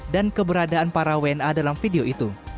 dan keberadaan para wna dalam video itu